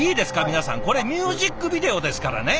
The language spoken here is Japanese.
皆さんこれミュージックビデオですからね。